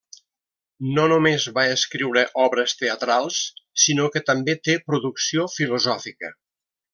No només va escriure obres teatrals sinó que també té producció filosòfica.